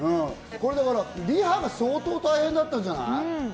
これだからリハが相当大変だったんじゃない？